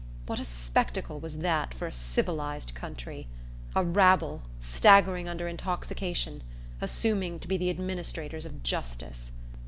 What a spectacle was that for a civilized country! A rabble, staggering under intoxication, assuming to be the administrators of justice!